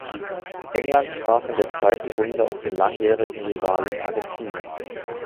England traf in der zweiten Runde auf den langjährigen Rivalen Argentinien.